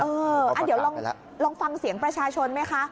เดี๋ยวลองฟังเสียงประชาชนไหมคะ